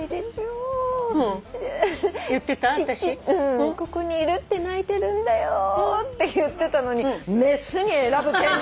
ここにいるって鳴いてるんだよって言ってたのに雌に選ぶ権利！